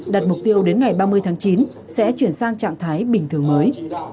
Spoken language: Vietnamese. đặt mục tiêu đến ngày ba mươi tháng chín sẽ chuyển sang trạng thái bình thường mới